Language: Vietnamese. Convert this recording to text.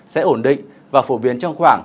sẽ ổn định và phổ biến trong khoảng